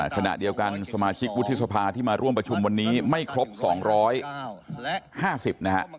ขณะเดียวกันสมาชิกวุฒิสภาที่มาร่วมประชุมวันนี้ไม่ครบ๒๕๐นะฮะ